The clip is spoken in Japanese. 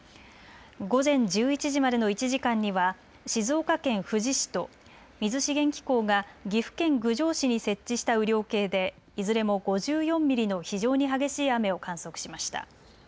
午前１１時までの１時間には静岡県富士市と水資源機構が岐阜県郡上市に設置した雨量計でいずれも５４ミリの非常に激しい雨を観測しました。